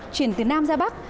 chuyển từ nam ra bắc